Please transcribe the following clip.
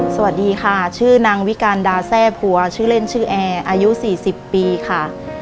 สวัสดีค่ะชื่อนางวิการดาแซ่พัวชื่อเล่นชื่อแอร์อายุ๔๐ปีค่ะ